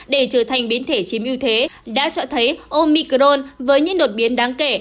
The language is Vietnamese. để trở thành biến thể chiếm ưu thế đã cho thấy omicron với những đột biến đáng kể